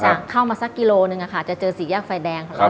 จากเข้ามาสักกิโลนึงจะเจอสียากไฟแดง